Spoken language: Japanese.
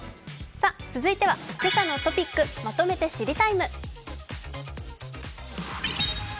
続いては「けさのトピックまとめて知りＴＩＭＥ，」。